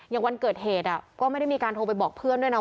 วันเกิดเหตุก็ไม่ได้มีการโทรไปบอกเพื่อนด้วยนะ